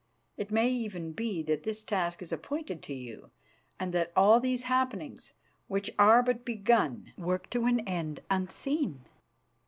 It may be even that this task is appointed to you and that all these happenings, which are but begun, work to an end unseen.